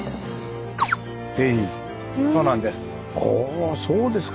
そうなんです。